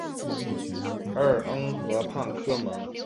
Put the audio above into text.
奥尔恩河畔科蒙。